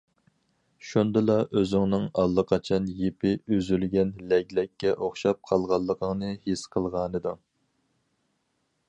شۇندىلا ئۆزۈڭنىڭ ئاللىقاچان يىپى ئۈزۈلگەن لەگلەككە ئوخشاپ قالغانلىقىڭنى ھېس قىلغانىدىڭ.